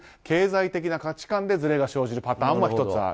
経済的な価値観でずれが生じるパターンも。